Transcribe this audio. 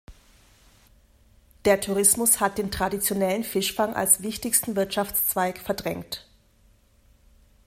Der Tourismus hat den traditionellen Fischfang als wichtigsten Wirtschaftszweig verdrängt.